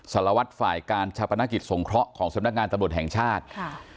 สารวัตรฝ่ายการชาปนกิจสงเคราะห์ของสำนักงานตำรวจแห่งชาติค่ะ